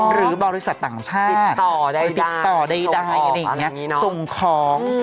หรือบริษัทต่างชาติติดต่อได้ส่งของ